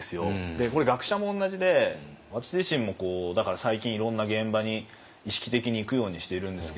これ学者も同じで私自身もだから最近いろんな現場に意識的に行くようにしているんですけれども。